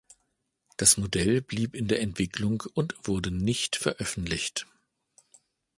Das Modell blieb in der Entwicklung und wurde nicht veröffentlicht.